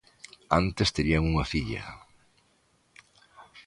Antes, terían unha filla.